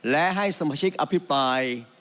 และให้สมาชิกอภิปราย